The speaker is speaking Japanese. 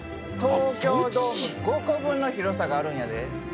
東京ドーム５個分の広さがあるんやで。